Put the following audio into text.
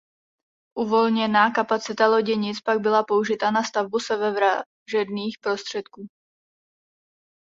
Uvolněná kapacita loděnic pak byla použita na stavbu sebevražedných prostředků.